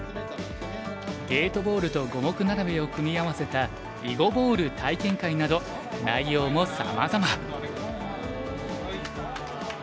ゲートボールと五目並べを組み合わせた囲碁ボール体験会など内容もさまざま。